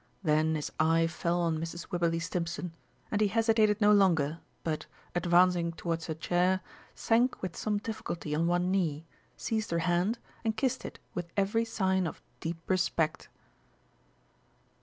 Then his eye fell on Mrs. Wibberley Stimpson, and he hesitated no longer, but, advancing towards her chair, sank with some difficulty on one knee, seized her hand, and kissed it with every sign of deep respect.